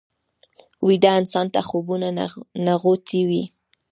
ویده انسان ته خوبونه نغوتې وي